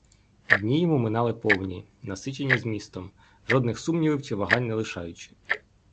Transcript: Дні йому минали повні, насичені змістом, жодних сумнівів чи вагань не лишаючи.